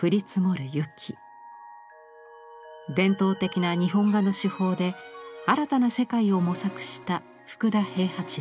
伝統的な日本画の手法で新たな世界を模索した福田平八郎。